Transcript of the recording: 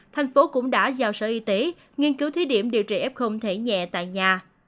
thành phố cũng đã giao sở y tế nghiên cứu thí điểm điều trị f thể nhẹ tại nhà